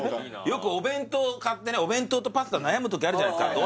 よくお弁当買ってお弁当とパスタ悩む時あるじゃないですか